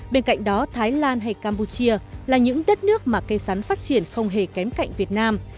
bên cạnh đó thái lan hay campuchia là những đất nước mà cây sắn phát triển không hề kém cạnh việt nam